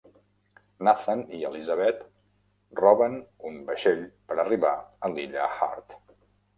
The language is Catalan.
Nathan i Elisabeth roben un vaixell per arribar a l'illa Hart.